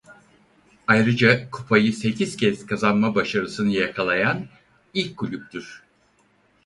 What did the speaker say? Ayrıca kupayı sekiz kez kazanma başarısını yakalayan ilk kulüptür.